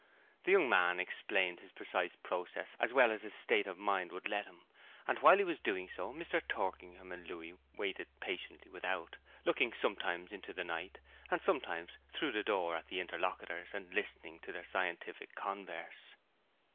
The young man explained his precise processes as well as his state of mind would let him, and while he was doing so Mr. Torkingham and Louis waited patiently without, looking sometimes into the night, and sometimes through the door at the interlocutors, and listening to their scientific converse.